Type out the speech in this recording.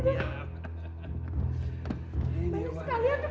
banyak sekali ya